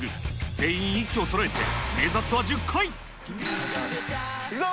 全員息をそろえて、目指すは１０いくぞ！